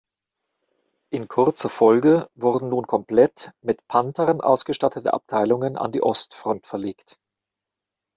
In kurzer Folge wurden nun komplett mit Panthern ausgestattete Abteilungen an die Ostfront verlegt.